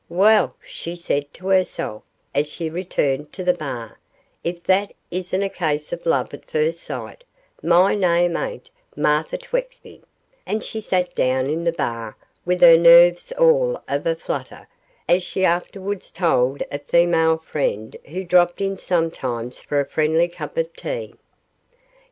'Well,' she said to herself, as she returned to the bar, 'if that isn't a case of love at first sight, my name ain't Martha Twexby,' and she sat down in the bar with her nerves all of a flutter, as she afterwards told a female friend who dropped in sometimes for a friendly cup of tea.